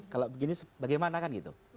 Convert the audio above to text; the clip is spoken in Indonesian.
kalau begini bagaimana kan gitu